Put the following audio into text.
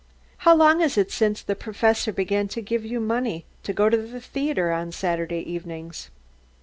"How long is it since the Professor began to give you money to go to the theatre on Saturday evenings?"